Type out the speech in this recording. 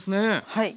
はい。